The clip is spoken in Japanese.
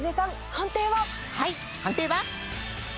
判定は。